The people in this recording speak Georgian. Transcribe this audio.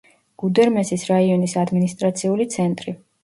გუდერმესის რაიონის ადმინისტრაციული ცენტრი.